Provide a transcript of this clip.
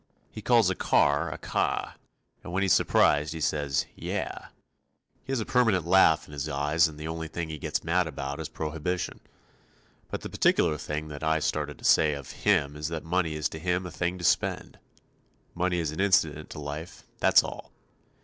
He calls a "car" a "cahh," and when he's surprised he says: "Yeah"! He has a permanent laugh in his eyes, and the only thing he gets mad about is prohibition. But the particular thing that I started to say of him is that money is to him a thing to spend. Money is an incident to life, that's all.